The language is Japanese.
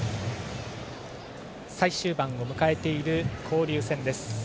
最終盤を迎えている交流戦です。